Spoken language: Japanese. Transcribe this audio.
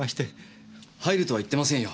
入るとは言ってませんよ。